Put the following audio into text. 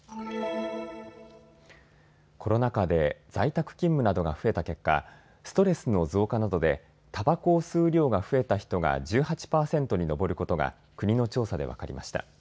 コロナ禍で在宅勤務などが増えた結果、ストレスの増加などでたばこを吸う量が増えた人が１８％に上ることが国の調査で分かりました。